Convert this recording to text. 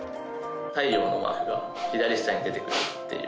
太陽のマークが左下に出てくるっていう。